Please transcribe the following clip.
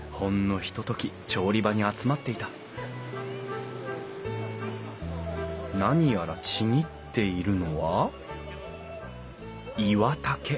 ひととき調理場に集まっていた何やらちぎっているのはイワタケ。